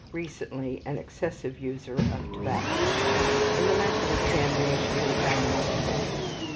Recently an excessive user of tobacco. In the mental examination we found much of interest.